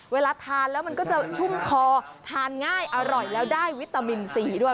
เวลาทานแล้วมันก็จะชุ่มคอทานง่ายอร่อยแล้วได้วิตามินซีด้วย